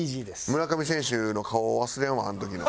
村上選手の顔忘れんわあの時の。